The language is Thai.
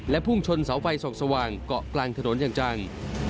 พุ่งชนเสาไฟส่องสว่างเกาะกลางถนนอย่างจัง